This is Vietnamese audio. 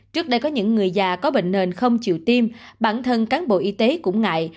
trước đây có những người già có bệnh nền không chịu tiêm bản thân cán bộ y tế cũng ngại